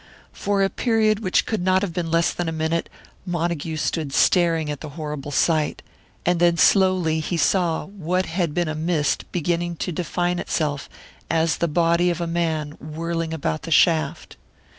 For a period which could not have been less than a minute, Montague stood staring at the horrible sight; and then slowly he saw what had been a mist beginning to define itself as the body of a man whirling about the shaft.